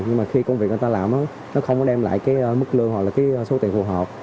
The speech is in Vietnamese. nhưng mà khi công việc người ta làm nó không có đem lại cái mức lương hoặc là cái số tiền phù hợp